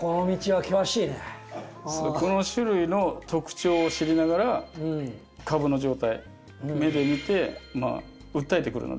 この種類の特徴を知りながら株の状態目で見て訴えてくるので植物が。